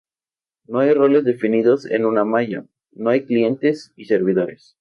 No hay roles definidos en una malla, no hay clientes y servidores.